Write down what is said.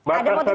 ada motif kesana